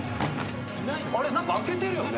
あれ開けてるよね？